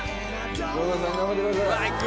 ゴルゴさん頑張ってください。